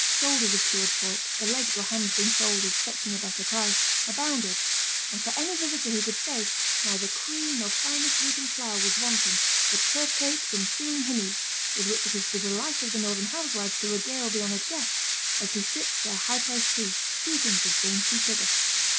_, shoulders of cured pork, the legs or hams being sold, as fetching a better price) abounded; and for any visitor who could stay, neither cream nor finest wheaten flour was wanting for 'turf cakes' and 'singing hinnies,' with which it is the delight of the northern housewives to regale the honoured guest, as he sips their high priced tea, sweetened with dainty sugar.